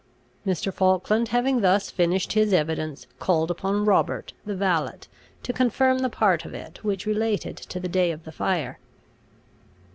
Mr. Falkland having thus finished his evidence, called upon Robert, the valet, to confirm the part of it which related to the day of the fire.